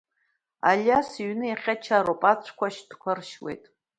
Алиас иҩны иахьа чароуп, ацәқәа, ашьтәақәа ршьуеит.